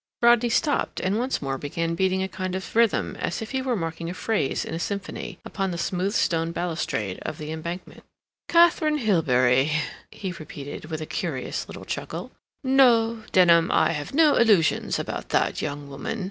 Rodney stopped and once more began beating a kind of rhythm, as if he were marking a phrase in a symphony, upon the smooth stone balustrade of the Embankment. "Katharine Hilbery," he repeated, with a curious little chuckle. "No, Denham, I have no illusions about that young woman.